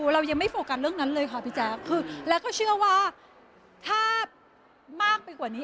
เรายังไม่โฟกัสเรื่องนั้นเลยค่ะพี่แจ๊คคือแล้วก็เชื่อว่าถ้ามากไปกว่านี้